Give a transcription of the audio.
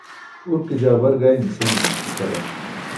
urke jaa bar gaymi senimi ikʰarar